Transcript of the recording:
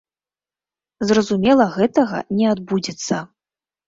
Зразумела, гэтага не адбудзецца.